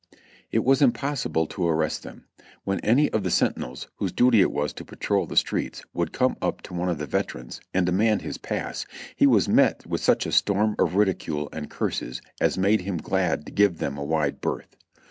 It was impossible to arrest tliem ; when any of the sentinels, whose duty it was to patrol the streets, would come up to one of the veterans and demand his pass, he was met with such a storm of ridicule and curses as made him glad to give them a wide berth.